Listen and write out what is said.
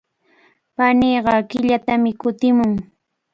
Paniiqa killatami kutimun.